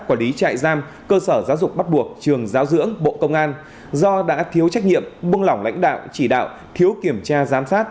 quản lý trại giam cơ sở giáo dục bắt buộc trường giáo dưỡng bộ công an do đã thiếu trách nhiệm buông lỏng lãnh đạo chỉ đạo thiếu kiểm tra giám sát